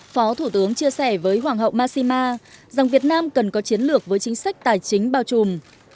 phó thủ tướng chia sẻ với hoàng hậu mashima rằng việt nam cần có chiến lược với chính sách tài chính bao trùm